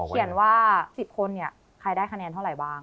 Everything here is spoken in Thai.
เขียนว่า๑๐คนเนี่ยใครได้คะแนนเท่าไหร่บ้าง